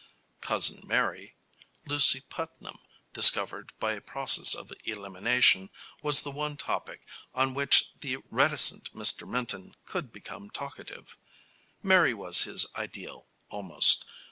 "Cousin Mary," Lucy Putnam discovered by a process of elimination, was the one topic on which the reticent Mr. Minton could become talkative. Mary was his ideal, almost.